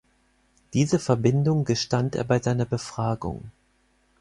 Diese Verbindung gestand er bei seiner Befragung.